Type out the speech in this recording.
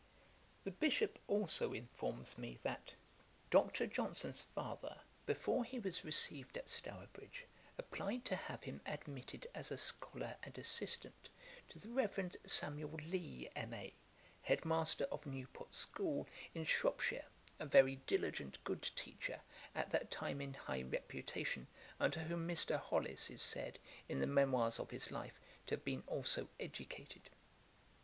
The Bishop also informs me, that 'Dr. Johnson's father, before he was received at Stourbridge, applied to have him admitted as a scholar and assistant to the Reverend Samuel Lea, M.A., head master of Newport school, in Shropshire (a very diligent, good teacher, at that time in high reputation, under whom Mr. Hollis is said, in the Memoirs of his Life, to have been also educated).